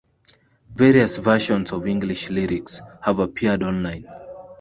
Various versions of English lyrics have appeared online.